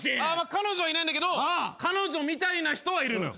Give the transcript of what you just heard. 彼女はいないんだけど彼女みたいな人はいるのよ。